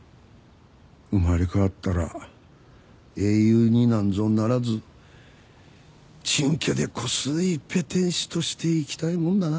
生まれ変わったら英雄になんぞならずちんけでこすいペテン師として生きたいもんだな。